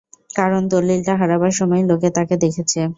কারণ দলিলটা হারাবার সময় লোকে তাকে দেখেছে।